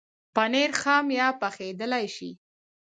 پنېر خام یا پخېدلای شي.